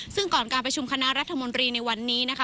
ซึ่งก่อนการประชุมคณะรัฐมนตรีในวันนี้นะคะ